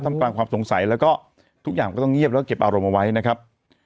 กลางความสงสัยแล้วก็ทุกอย่างก็ต้องเงียบแล้วก็เก็บอารมณ์เอาไว้นะครับ